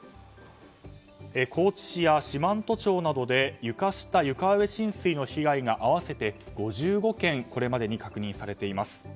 高知市や四万十町などで床下・床上浸水の被害が合わせて５５件これまでに確認されています。